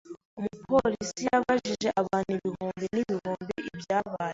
Umupolisi yabajije abantu ibihumbi n’ibihumbi ibyabaye.